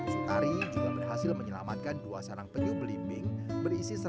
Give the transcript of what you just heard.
sutari juga berhasil menyelamatkan dua sarang penyu belimbing berisi satu ratus sembilan puluh lima butir telur